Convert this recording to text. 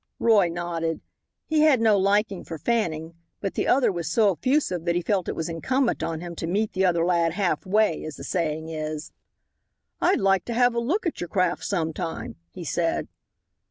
Roy nodded. He had no liking for Fanning, but the other was so effusive that he felt it was incumbent on him to meet the other lad half way, as the saying is. "I'd like to have a look at your craft sometime," he said.